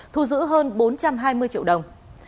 thu giữ hơn bốn trăm hai mươi triệu đồng